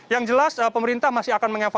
yang jelas pemerintah masih akan mengevakuasi